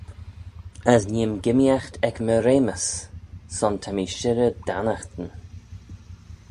As nee'm gimmeeaght ec my reamys: son ta mee shirrey dt'annaghyn.